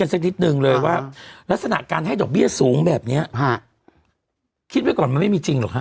สักนิดนึงเลยว่าลักษณะการให้ดอกเบี้ยสูงแบบเนี้ยฮะคิดไว้ก่อนมันไม่มีจริงหรอกฮะ